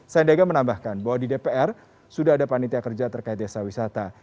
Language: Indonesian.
sandiaga menambahkan bahwa di dpr sudah ada panitia kerja terkait desa wisata